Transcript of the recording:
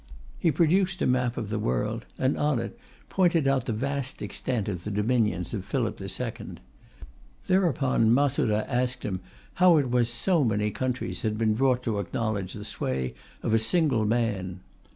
He produced a map of the world, and on it pointed out the vast extent of the dominions of Philip II. Thereupon Masuda asked him how it was so many countries had been brought to acknowledge the sway of a single man....